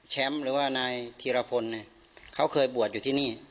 แชมป์หรือว่านายธีรพลเขาเคยบวชอยู่ที่นี่